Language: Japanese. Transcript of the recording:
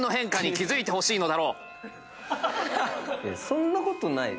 そんなことない。